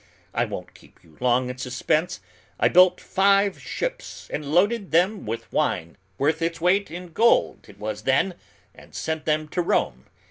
I won't keep you long in suspense; I built five ships and loaded them with wine worth its weight in gold, it was then and sent them to Rome.